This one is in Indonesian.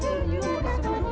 jangan kenal sama dia